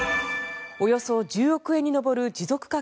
およそ１０億円に上る持続化